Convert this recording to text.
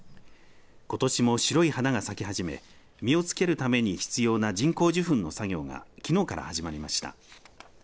ことしも白い花が咲き始め実をつけるために必要な人工授粉の作業がきのうから始まりました。